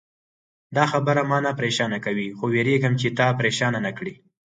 دا خبره ما نه پرېشانه کوي، خو وېرېږم چې تا پرېشانه نه کړي.